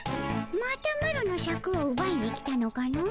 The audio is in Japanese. またマロのシャクをうばいに来たのかの？